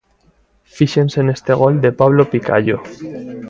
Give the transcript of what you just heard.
Fíxense neste gol de Pablo Picallo.